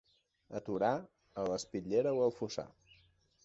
A Torà, a l'espitllera o al fossar.